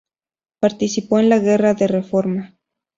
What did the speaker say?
Participó en la Guerra de Reforma.